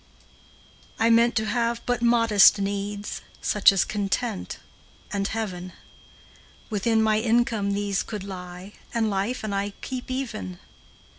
I meant to have but modest needs, Such as content, and heaven; Within my income these could lie, And life and I keep even.